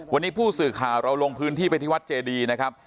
วันนี้ผู้สื่อข่าวเราลงพื้นที่ไปที่วัดเจดีนะครับ